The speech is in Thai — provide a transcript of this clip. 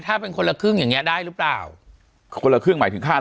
ถ้าเป็นคนละครึ่งอย่างนี้ได้หรือเปล่า